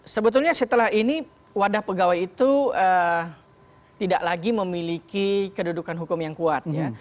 sebetulnya setelah ini wadah pegawai itu tidak lagi memiliki kedudukan hukum yang kuat ya